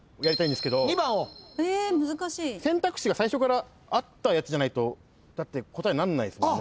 選択肢が最初からあったやつじゃないと答えになんないですもんね。